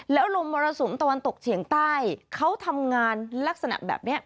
แล้วลมมรสุมตะวันตกเฉียงใต้เขาทำงานลักษณะแบบนี้